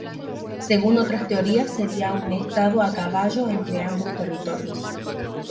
Según otras teorías, sería un estado a caballo entre ambos territorios.